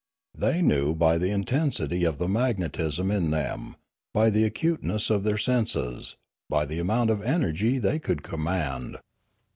They knew by the intensity of the magnetism in them, by the acuteness of their senses, by the amount of energy they could command.